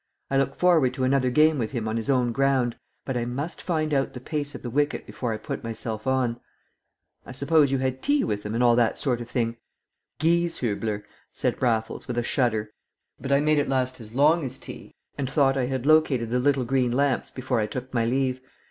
I look forward to another game with him on his own ground. But I must find out the pace of the wicket before I put myself on." "I suppose you had tea with them, and all that sort of thing?" "Gieshübler!" said Raffles with a shudder. "But I made it last as long as tea, and thought I had located the little green lamps before I took my leave.